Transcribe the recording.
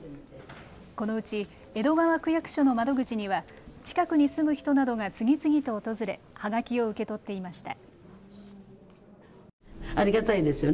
このうち江戸川区役所の窓口には近くに住む人などが次々と訪れはがきを受け取っていました。